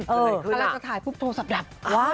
ถ้าเราจะถ่ายพุ่บโทรสับดับ